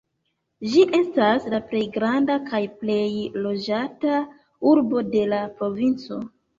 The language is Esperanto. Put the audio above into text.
Ĝi estas la plej granda kaj plej loĝata urbo de la provinco.